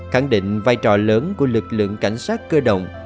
khẳng định vai trò lớn của lực lượng cảnh sát cơ động